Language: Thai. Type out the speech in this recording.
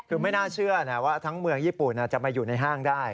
คือไม่น่าเชื่อนะว่าทั้งเมืองญี่ปุ่นจะมาอยู่ในห้างได้